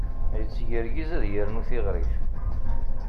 Yettgergiz ad yernu tiɣrit.